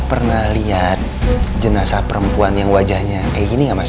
pernah lihat jenazah perempuan yang wajahnya kayak gini gak mas